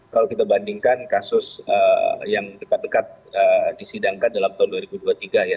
kalau kita bandingkan kasus yang dekat dekat disidangkan dalam tahun dua ribu dua puluh tiga ya